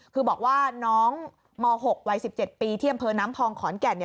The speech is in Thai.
คือบอกว่าน้องม๖วัย๑๗ปีที่อำเภอน้ำพองขอนแก่น